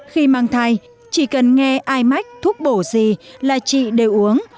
khi mang thai chỉ cần nghe ai mách thuốc bổ gì là chị đều uống